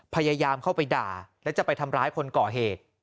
พยายามเข้าไปด่าและจะไปทำร้ายคนก่อเหตุ